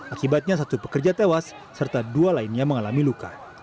akibatnya satu pekerja tewas serta dua lainnya mengalami luka